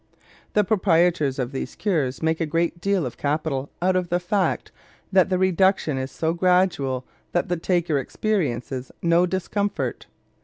The proprietors of these cures make a great deal of capital out of the fact that the reduction is so gradual that the taker experiences no discomfort.